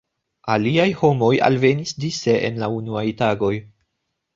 Aliaj homoj alvenis dise en la unuaj tagoj.